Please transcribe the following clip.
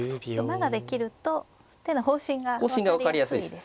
馬ができると手の方針が分かりやすいですね。